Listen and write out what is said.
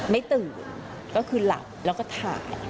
ไม่ตื่นก็คือหลับแล้วก็ถ่าย